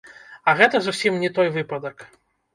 А гэта зусім не той выпадак.